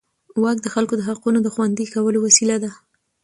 واک د خلکو د حقونو د خوندي کولو وسیله ده.